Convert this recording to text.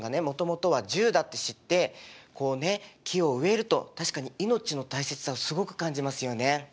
もともとは銃だって知ってこうね木を植えると確かに命の大切さをすごく感じますよね。